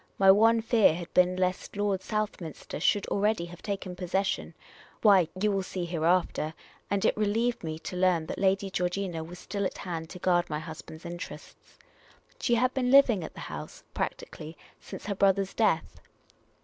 My one fear had been lest Lord South minster should already have taken possession — why, you will see hereafter; and it relieved me to learn that Lady Georgina was still at hand to guard my husband's interests. She had been living at the house, practically, since her brother's death.